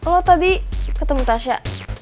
lo tadi ketemu tasya